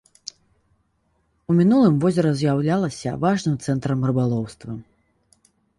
У мінулым возера з'яўлялася важным цэнтрам рыбалоўства.